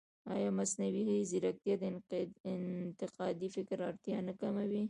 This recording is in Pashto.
ایا مصنوعي ځیرکتیا د انتقادي فکر اړتیا نه کموي؟